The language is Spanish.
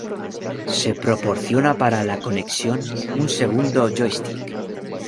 Se proporciona para la conexión un segundo joystick.